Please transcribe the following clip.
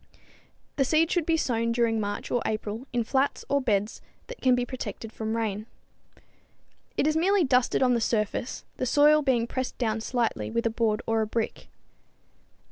The seed should be sown during March or April in flats or beds that can be protected from rain. It is merely dusted on the surface, the soil being pressed down slightly with a board or a brick.